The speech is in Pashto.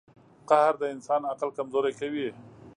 • قهر د انسان عقل کمزوری کوي.